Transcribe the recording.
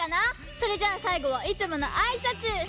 それじゃあさいごはいつものあいさつ！